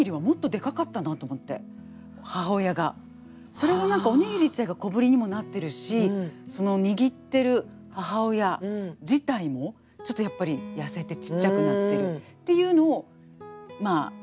それが何かおにぎり自体が小ぶりにもなってるしその握ってる母親自体もちょっとやっぱり痩せてちっちゃくなってるっていうのをまあいとしい私は母親をいとしいと思うし